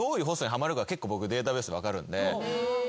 結構僕データベースで分かるんで。